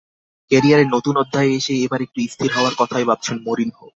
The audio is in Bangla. ক্যারিয়ারের নতুন অধ্যায়ে এসে এবার একটু স্থির হওয়ার কথাই ভাবছেন মরিনহো।